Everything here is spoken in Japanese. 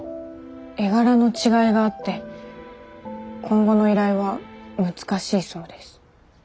絵柄の違いがあって今後の依頼は難しいそうです。